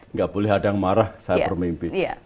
nggak boleh ada yang marah saya bermimpi